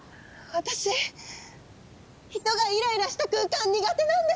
私人がイライラした空間苦手なんです！